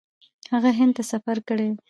هغه هند ته سفر کړی و.